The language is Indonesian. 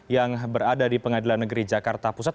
yang berada di pengadilan negeri jakarta pusat